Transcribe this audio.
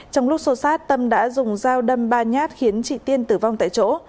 trong lúc xô sát tâm đã dùng dao đâm ba nhát khiến chị tiên tử vong tại chỗ